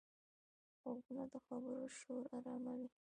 غوږونه د خبرو شور آراموي